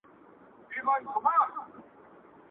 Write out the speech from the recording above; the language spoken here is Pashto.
نن له سیوري سره ځمه خپل ګامونه ښخومه!.